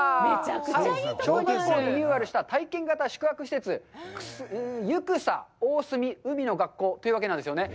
小学校をリニューアルした体験型宿泊施設、「ユクサおおすみ海の学校」というわけなんですよね。